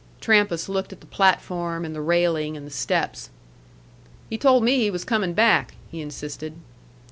Trampas looked at the platform and the railing and the steps. "He told me he was coming back," he insisted.